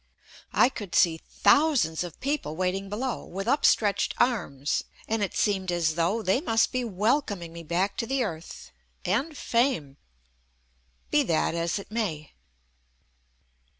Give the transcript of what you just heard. I could see thousands of people waiting below with upstretched arms and it seemed as though they must be welcom ing me back to the earth and fame. Be that as it may.